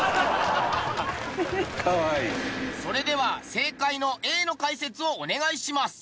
それでは正解のＡの解説をお願いします。